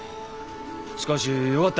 しかしよかった。